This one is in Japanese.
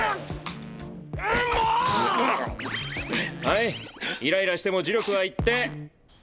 はいイライラしても呪力は一定。